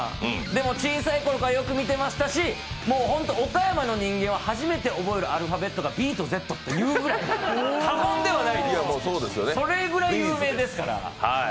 でも小さい頃からよく見てましたし、ホント岡山の人間は初めて覚えるアルファベットがＢとＺっていうぐらい、過言ではないですよ、それくらい有名ですから。